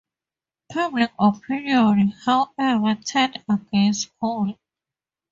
Public opinion, however, turned against Cole.